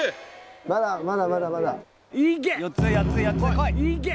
まだまだまだまだいけ！